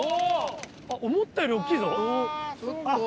思ったより大っきいぞあっ